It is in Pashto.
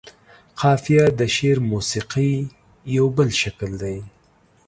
قافيه د شعر موسيقۍ يو بل شکل دى.